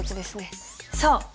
そう！